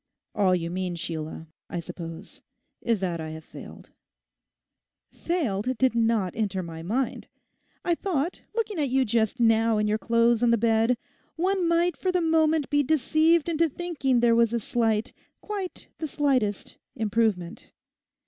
'All you mean, Sheila, I suppose, is that I have failed.' '"Failed" did not enter my mind. I thought, looking at you just now in your clothes on the bed, one might for the moment be deceived into thinking there was a slight—quite the slightest improvement.